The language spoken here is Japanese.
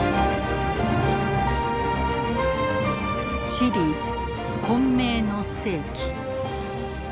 「シリーズ混迷の世紀」。